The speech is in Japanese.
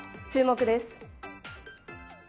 注目です。